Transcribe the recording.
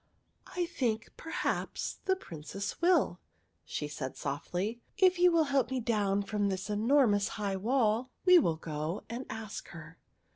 " I think, perhaps, the Princess will," she said softly, " If you will help me down from this enormous high wall, we will go and ask her."